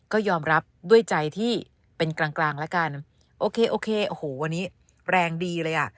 ก็ยอมรับด้วยใจที่เป็นกลางแล้วกันโอเควันนี้แรงดีเลยอะ